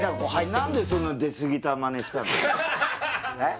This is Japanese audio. なんでそんな出過ぎたまねしたの？